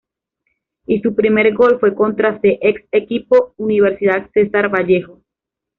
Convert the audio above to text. Y su primer gol fue contra se ex equipo universidad cesar vallejo